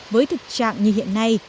với thực trạng như hiện nay